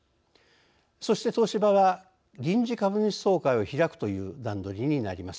そして、東芝は臨時株主総会を開くという段取りになります。